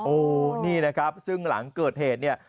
โอ้นี่นะครับซึ่งหลังเกิดเหตุเนี่ย